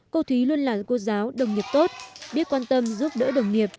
cô thúy luôn là cô giáo đồng nghiệp tốt biết quan tâm giúp đỡ đồng nghiệp